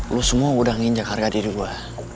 lo semua udah nginjak harga diri gue